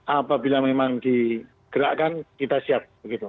apabila memang digerakkan kita siap